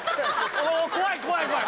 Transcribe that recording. おお怖い怖い怖い！